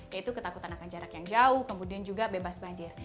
yaitu ketakutan akan jarak yang jauh kemudian juga bebas banjir